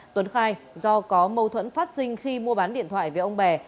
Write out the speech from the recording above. tuấn khai do có mâu thuẫn phát sinh khi mua bán điện thoại với ông bè